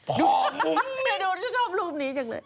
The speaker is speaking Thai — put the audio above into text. พ่อมุ้งมิ้งดูชอบรูปนี้จริง